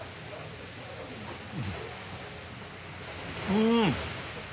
うん！